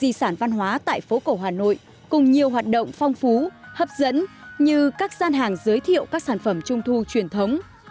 di sản văn hóa tại phố cổ hà nội cùng nhiều hoạt động phong phú hấp dẫn như các gian hàng giới thiệu các sản phẩm trung thu truyền thống